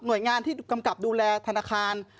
โดยงานที่กำกับดูแลธนาคาร